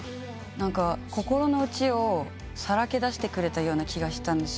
心の内をさらけだしてくれたような気がしたんですよ。